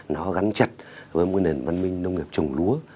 nó gắn chặt với một nền văn minh nông nghiệp trồng lúa